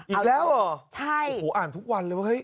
อีกแล้วเหรออ่านทุกวันเลยเหรอเฮ้ย